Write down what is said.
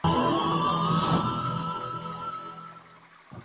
انار کے استعمال